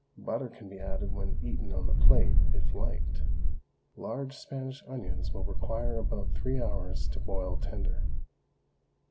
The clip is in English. Butter can be added when eaten on the plate if liked. Large Spanish onions will require about three hours to boil tender.